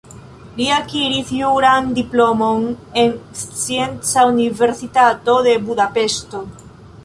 Li akiris juran diplomon en Scienca Universitato de Budapeŝto.